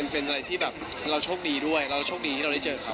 เป็นแบบเราโชคดีด้วยเราโชคดีได้ได้เจอเค้า